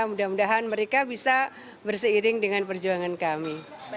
mudah mudahan mereka bisa berseiring dengan perjuangan kami